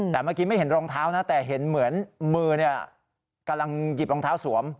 แต่เมื่อกี้ไม่เห็นรองเท้านะแต่เห็นเหมือนมือกำลังหยิบรองเท้าสวม